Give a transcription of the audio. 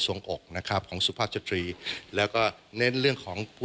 สวัสดีครับ